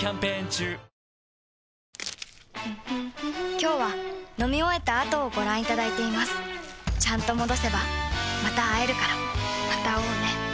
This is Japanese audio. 今日は飲み終えた後をご覧いただいていますちゃんと戻せばまた会えるからまた会おうね。